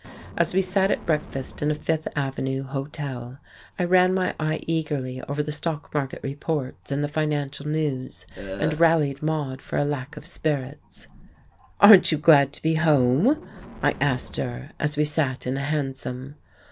As we sat at breakfast in a Fifth Avenue hotel I ran my eye eagerly over the stock market reports and the financial news, and rallied Maude for a lack of spirits. "Aren't you glad to be home?" I asked her, as we sat in a hansom.